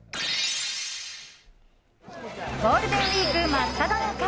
ゴールデンウィーク真っただ中！